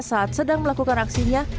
saat sedang melakukan aksinya